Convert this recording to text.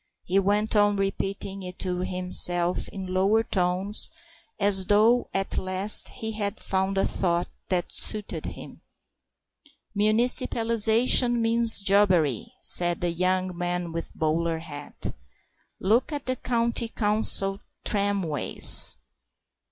He went on repeating it to himself in lower tones, as though at last he had found a thought that suited him. "Municipalisation means jobbery," said the young man with the bowler hat; "look at the County Council tramways."